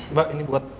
mbak ini buat